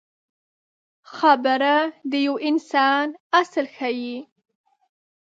خبره د یو انسان اصل ښيي.